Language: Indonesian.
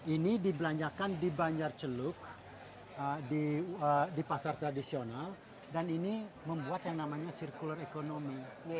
ini dibelanjakan di banjar celuk di pasar tradisional dan ini membuat yang namanya circular economy